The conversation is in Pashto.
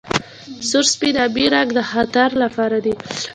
سور سپین او ابي رنګ د خطر لپاره دي.